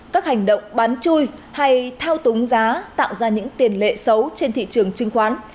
các hành động bán chui hay thao túng giá tạo ra những tiền lệ xấu trên thị trường chứng khoán